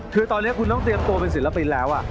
คือตอนนี้คุณต้องเตรียมตัวเป็นศิลปินแล้ว